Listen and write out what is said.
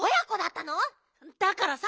だからさ